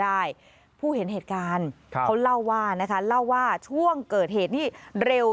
ผู้เห็นเหตุการณ์ครับเขาเล่าว่านะคะเล่าว่าช่วงเกิดเหตุนี้เร็ว